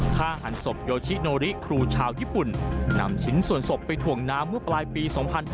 ฆ่าหันศพโยชิโนริครูชาวญี่ปุ่นนำชิ้นส่วนศพไปถ่วงน้ำเมื่อปลายปี๒๕๕๙